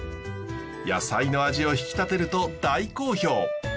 野菜の味を引き立てると大好評。